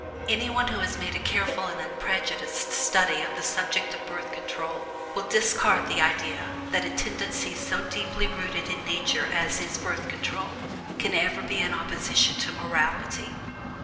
Any one who has made a careful and unprejudiced study of the subject of Birth Control will discard the idea that a tendency so deeply rooted in Nature as is Birth Control can ever be in opposition to morality.